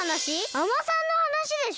海女さんのはなしでしょ！？